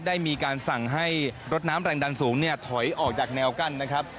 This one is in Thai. ได้มีการสั่งให้รถน้ำแรงดันสูงเนี่ยถอยออกจากแนวกั้นนะครับ